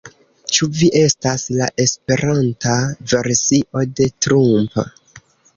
Ĉu vi estas la esperanta versio de Trump?